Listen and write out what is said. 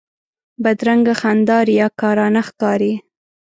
بدرنګه خندا ریاکارانه ښکاري